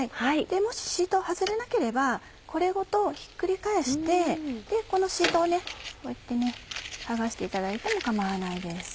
もしシートが外れなければこれごとひっくり返してこのシートをこうやって剥がしていただいても構わないです。